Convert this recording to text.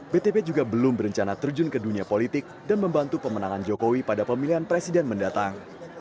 btp juga belum berencana terjun ke dunia politik dan membantu pemenangan jokowi pada pemilihan presiden mendatang